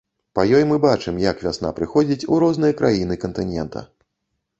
Па ёй мы бачым, як вясна прыходзіць у розныя краіны кантынента.